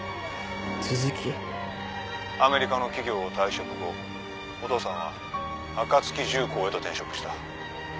アメリカの企業を退職後お父さんは暁重工へと転職した。